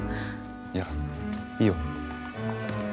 いやいいよ。